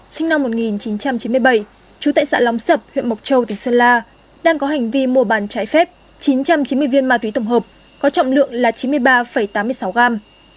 sinh năm một nghìn chín trăm chín mươi bảy trú tại xã lóng sập huyện mộc châu tỉnh sơn la đang có hành vi mua bàn trái phép chín trăm chín mươi viên ma túy tổng hợp có trọng lượng là chín mươi ba tám mươi sáu gram